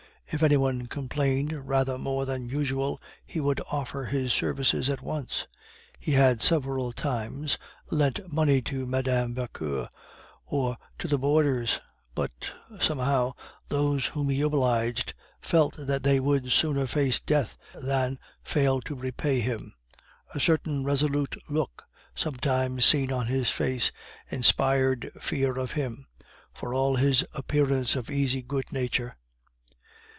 If any one complained rather more than usual, he would offer his services at once. He had several times lent money to Mme. Vauquer, or to the boarders; but, somehow, those whom he obliged felt that they would sooner face death than fail to repay him; a certain resolute look, sometimes seen on his face, inspired fear of him, for all his appearance of easy good nature.